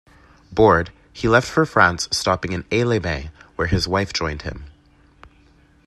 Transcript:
Bored, he left for France, stopping in Aix-les-Bains where his wife joined him.